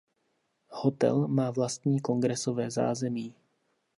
Hotel má vlastní kongresové zázemí.